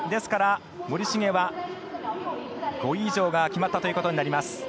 ですから、森重は５位以上が決まったということになります。